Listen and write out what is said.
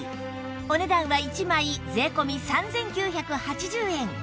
お値段は１枚税込３９８０円